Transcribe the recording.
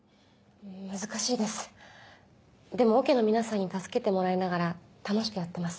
難しいですでもオケの皆さんに助けてもらいながら楽しくやってます。